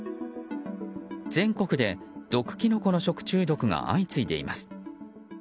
全国で毒キノコの食中毒が相次いでいます。